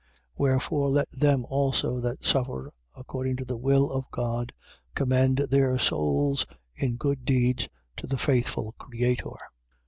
Wherefore let them also that suffer according to the will of God commend their souls in good deeds to the faithful Creator.